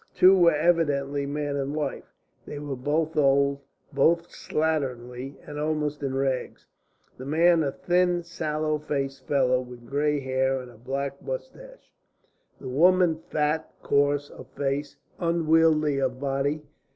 Two were evidently man and wife. They were both old, both slatternly and almost in rags; the man a thin, sallow faced fellow, with grey hair and a black moustache; the woman fat, coarse of face, unwieldy of body.